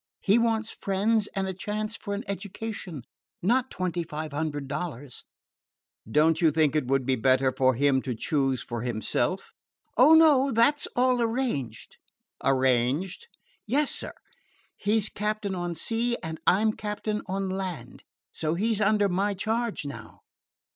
He wants friends and a chance for an education, not twenty five hundred dollars." "Don't you think it would be better for him to choose for himself?" "Ah, no. That 's all arranged." "Arranged?" "Yes, sir. He 's captain on sea, and I 'm captain on land. So he 's under my charge now."